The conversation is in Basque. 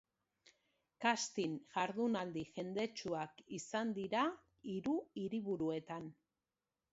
Casting jardunaldi jendetsuak izan dira hiru hiriburuetan.